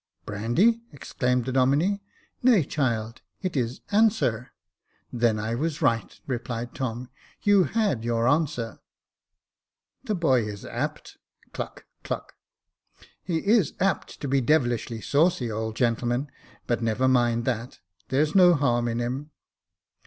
" Brandy !" exclaimed the Domine. " Nay, child, it is anserP Then I was right," replied Tom. You had your ansiuer I "" The boy is apt." (Cluck, cluck.) " He is apt to be devilish saucy, old gentleman ; but never mind that, there's no harm in him."